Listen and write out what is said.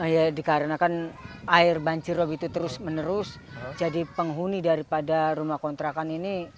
ya dikarenakan air banjir rob itu terus menerus jadi penghuni daripada rumah kontrakan ini